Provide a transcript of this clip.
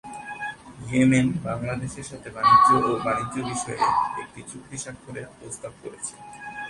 Yemen বাংলাদেশের সাথে বাণিজ্য ও বাণিজ্য বিষয়ে একটি চুক্তি স্বাক্ষরের প্রস্তাব করেছে।